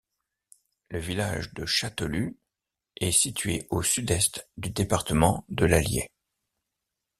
Le village de Châtelus est situé au sud-est du département de l'Allier.